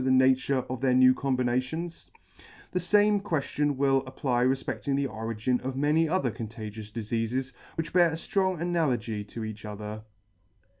the nature of their new combinations ? The fame queftion will apply refpeCting the origin of many other contagious difeafes, which bear a ftrong analogy to each other.